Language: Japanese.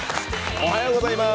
おはようございます。